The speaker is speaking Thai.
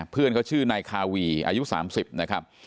เพื่อนเขาชื่อนายคาวีอายุ๓๐นะครับ